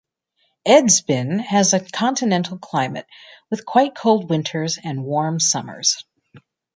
Edsbyn has an continental climate with quite cold winters and warm summers.